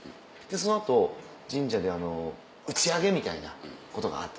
その後神社で打ち上げみたいなことがあって。